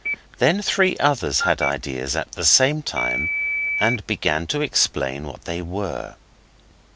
Then three others had ideas at the same time and began to explain what they were.